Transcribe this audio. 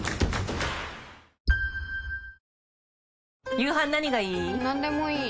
夕飯何がいい？